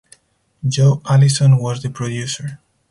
Joe Allison was the producer.